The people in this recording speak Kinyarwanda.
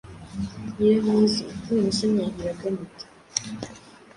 Nyiramwiza: None se mwahuraga mute